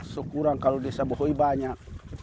sekurang kalau desa bahoy banyak